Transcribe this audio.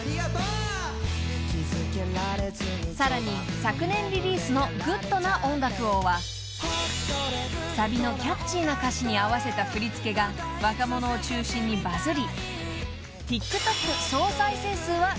［さらに昨年リリースの『グッドな音楽を』はサビのキャッチーな歌詞に合わせた振り付けが若者を中心にバズり］